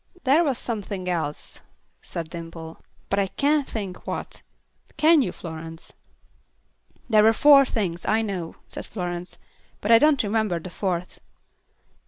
"There was something else," said Dimple, "but I can't think what. Can you, Florence?" "There were four things, I know," said Florence. "But I don't remember the fourth."